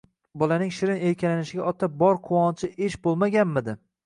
Bolaning shirin erkalanishiga otaning bor quvonchi esh bo‘lmaganmidi?